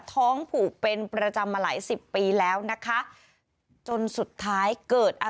ท้องผลูกเป็นประจำมาหลาย๑๐ปีแล้วนะคะ